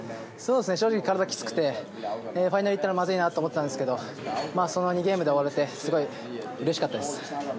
正直、体がきつくてファイナル行ったらまずいなと思ったんですけど２ゲームで終われてすごくうれしかったです。